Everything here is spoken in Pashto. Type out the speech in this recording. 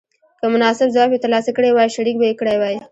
که مناسب ځواب یې تر لاسه کړی وای شریک به یې کړی وای.